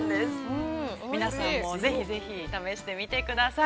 ◆皆さん、ぜひぜひ試してみてください。